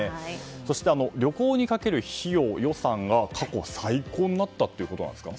そして旅行にかける費用、予算が過去最高になったってことなんですか？